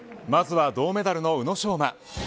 まずは銅メダルの宇野昌磨。